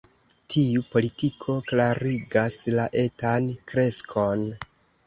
Tiu politiko klarigas la etan kreskon.